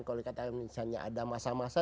kalau kata misalnya ada masa masa